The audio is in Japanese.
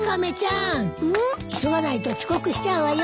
急がないと遅刻しちゃうわよ。